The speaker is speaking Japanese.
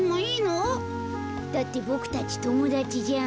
だってボクたちともだちじゃん。